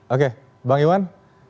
oke bang iwan